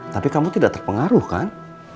tapi kamu tidak terpengaruh kan